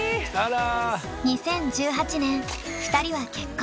２０１８年２人は結婚。